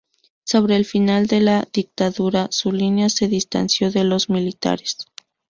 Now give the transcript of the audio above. Sobre el final de la dictadura, su línea se distanció de los militares.